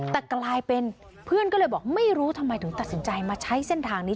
แต่กลายเป็นเพื่อนก็เลยบอกไม่รู้ทำไมถึงตัดสินใจมาใช้เส้นทางนี้